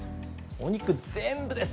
お肉全部です。